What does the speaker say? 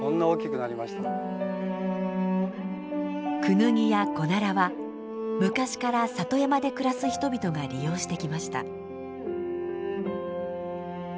クヌギやコナラは昔から里山で暮らす人々が利用してきました。